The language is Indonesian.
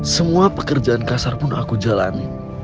semua pekerjaan kasar pun aku jalani